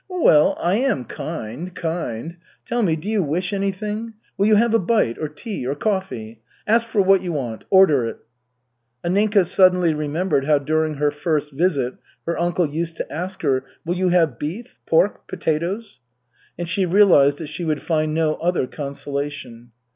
"Well, I am kind, kind. Tell me, do you wish anything? Will you have a bite, or tea, or coffee? Ask for what you want. Order it." Anninka suddenly remembered how during her first visit her uncle used to ask her, "Will you have beef, pork, potatoes?" And she realized that she would find no other consolation.